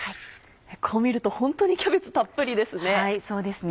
こう見るとホントにキャベツたっぷりですね。